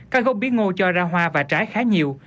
các gốc bí ngô cho ra hoa và trái khá nhiều